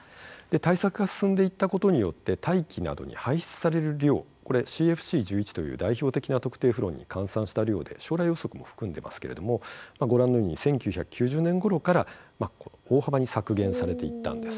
対策が進んでいったことによって大気などに排出される量これＣＦＣー１１という代表的な特定フロンに換算した量で将来予測も含んでますけれどもご覧のように１９９０年ごろから大幅に削減されていったんです。